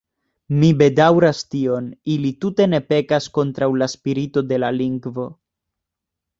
Mi bedaŭras tion: ili tute ne pekas kontraŭ la spirito de la lingvo.